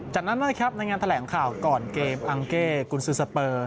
จากนั้นนะครับในงานแถลงข่าวก่อนเกมอังเก้กุญซือสเปอร์